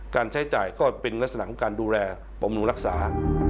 การใช้จ่ายก็เป็นเงินสนัขของการดูแลปรมนุมรักษา